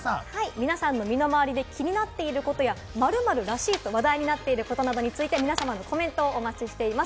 皆さんの身の回りで気になっていることや「○○らしい」と話題になってることなどについて皆様の情報をお待ちしています。